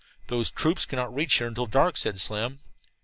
"Those troops cannot reach here until after dark," said Slim.